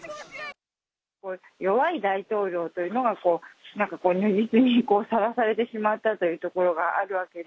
弱い大統領というのがなんかこう、如実にさらされてしまったというところがあるわけで。